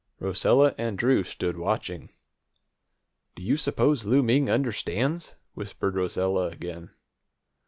Rosella and Drew stood watching. "Do you suppose Louie Ming understands?" whispered Rosella again.